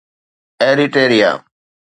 Eritrea